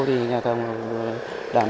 thì nhà thầu đảm bảo giao thông